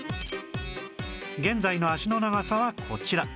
現在の脚の長さはこちら